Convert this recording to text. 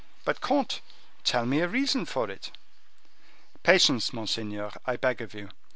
But, comte, tell me a reason for it?" "Patience, monseigneur, I beg of you.